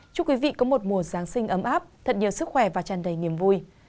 chúc quý vị có một mùa giáng sinh ấm áp thật nhiều sức khỏe và tràn đầy niềm vui